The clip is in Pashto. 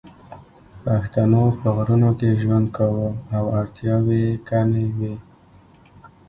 پښتنو په غرونو کې ژوند کاوه او اړتیاوې یې کمې وې